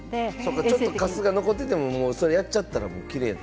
ちょっとかすが残っていても、それをやっちゃったらきれい。